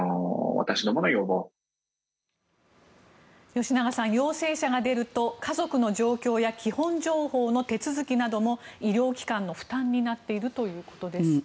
吉永さん、陽性者が出ると家族の状況や基本情報の手続きなども医療機関の負担になっているということです。